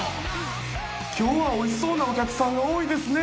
今日はおいしそうなお客さんが多いですね。